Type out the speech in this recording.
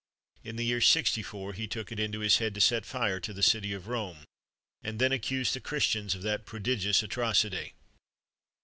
In the year 64 he took it into his head to set fire to the city of Rome, and then accused the Christians of that prodigious atrocity.